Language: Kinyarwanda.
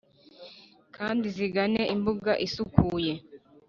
Kandi zigane imbuga isukuye